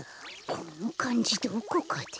このかんじどこかで。